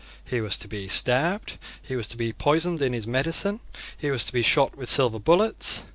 He was to be stabbed. He was to be poisoned in his medicine He was to be shot with silver bullets.